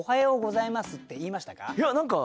いや何か。